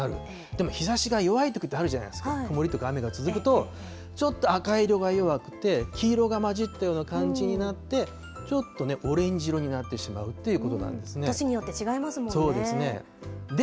でも日ざしが弱いときってあるじゃないですか、曇りとか雨が続くと、ちょっと赤色が弱くて、黄色が交じったような感じになって、ちょっとオレンジ色になって年によって違いますもんね。